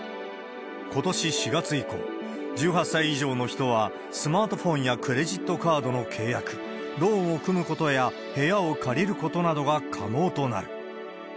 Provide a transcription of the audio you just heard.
ことし４月以降、１８歳以上の人は、スマートフォンやクレジットカードの契約、ローンを組むことや部屋を借りることなどが可能となる。